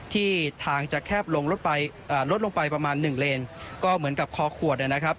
ที่ทางจะแคบลงรถไปลดลงไปประมาณหนึ่งเลนก็เหมือนกับคอขวดนะครับ